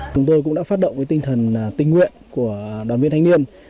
chúng tôi cũng đã phát động tinh thần tình nguyện của đoàn viên thanh niên